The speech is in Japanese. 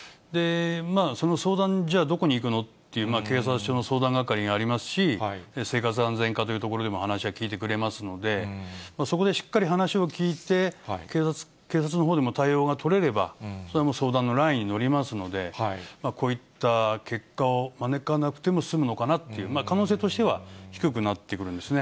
その相談の、じゃあどこに行くのっていうと、警察署の相談係がありますし、生活安全課というところでも話は聞いてくれますので、そこでしっかり話を聞いて警察のほうでも対応が取れれば、それはもう相談のラインに乗りますので、こういった結果を招かなくても済むのかなっていう、可能性としては低くなってくるんですね。